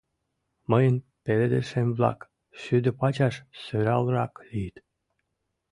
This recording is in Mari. — Мыйын пеледышем-влак шӱдӧ пачаш сӧралрак лийыт.